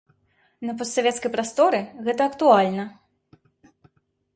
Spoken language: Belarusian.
На постсавецкай прасторы гэта актуальна.